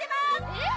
えっ！？